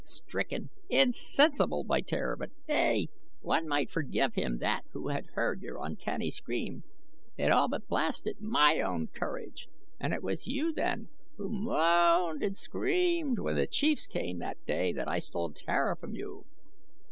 Stricken insensible by terror, but, ey, one might forgive him that who had heard your uncanny scream. It all but blasted my own courage. And it was you, then, who moaned and screamed when the chiefs came the day that I stole Tara from you?"